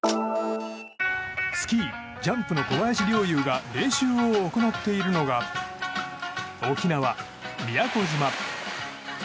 スキージャンプの小林陵侑が練習を行っているのが沖縄・宮古島。